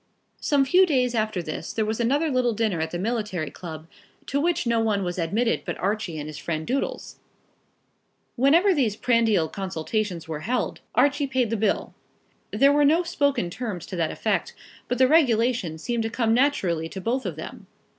Some few days after this there was another little dinner at the military club, to which no one was admitted but Archie and his friend Doodles. Whenever these prandial consultations were held, Archie paid the bill. There were no spoken terms to that effect, but the regulation seemed to come naturally to both of them.